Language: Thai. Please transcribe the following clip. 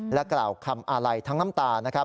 กล่าวคำอาลัยทั้งน้ำตานะครับ